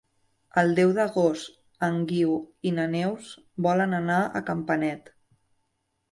El deu d'agost en Guiu i na Neus volen anar a Campanet.